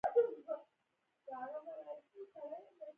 کیرن پولارډ یو قوي بيټسمېن دئ.